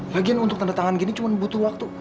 bagian untuk tanda tangan gini cuma butuh waktu